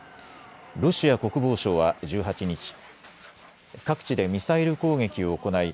ロシア国防省は１８日、各地でミサイル攻撃を行い